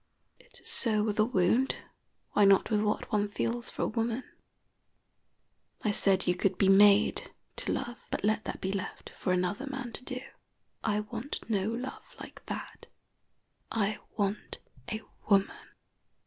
It is so with a wound, why not with what one feels for a woman? I said you could be made to love; but let that be left for another man to do. I want no love like that. I want a woman.